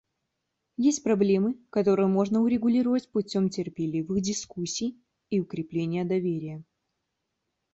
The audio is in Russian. Есть проблемы, которые можно урегулировать путем терпеливых дискуссий и укрепления доверия.